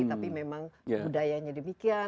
tapi memang budayanya demikian